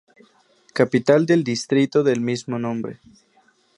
Capital del distrito del mismo nombre.